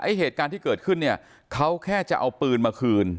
เหตุการณ์ที่เกิดขึ้นเนี่ยเขาแค่จะเอาปืนมาคืน